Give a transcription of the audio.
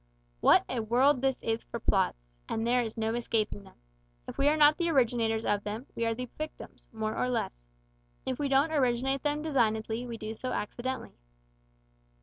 What a world this is for plots! And there is no escaping them. If we are not the originators of them, we are the victims more or less. If we don't originate them designedly we do so accidentally.